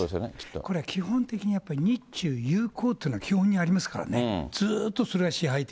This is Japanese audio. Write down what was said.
これ、基本的に日中友好というのは基本にありますからね、ずっとそれは支配的。